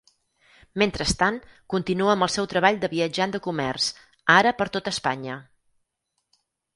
Mentrestant, continua amb el seu treball de viatjant de comerç, ara per tot Espanya.